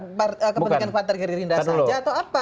kepentingan partai gerindra saja atau apa